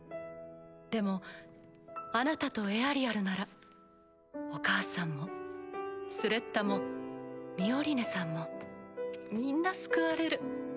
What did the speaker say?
でもあなたとエアリアルならお母さんもスレッタもミオリネさんもみんな救われる。